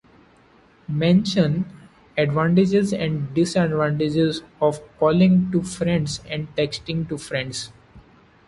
Mention advantages and disadvantages of calling to friends and texting to friends